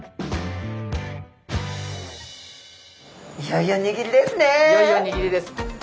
いよいよ握りです。